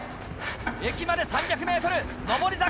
駅まで３００ｍ上り坂！